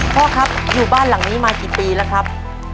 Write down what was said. พ่อครับอยู่บ้านหลังนี้มากี่ปีแล้วครับ